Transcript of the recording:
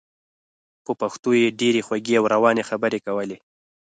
په پښتو یې ډېرې خوږې او روانې خبرې کولې.